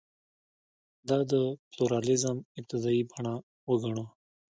دا د پلورالېزم ابتدايي بڼه وګڼو.